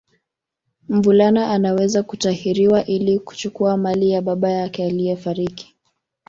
Mvulana Anaweza kutahiriwa ili kuchukua mali ya baba yake aliyefariki